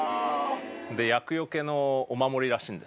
で厄除けのお守りらしいんですけど。